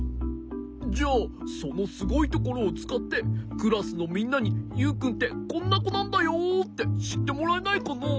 じゃあそのすごいところをつかってクラスのみんなにユウくんってこんなこなんだよってしってもらえないかな？